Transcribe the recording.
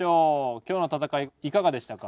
今日の戦いいかがでしたか？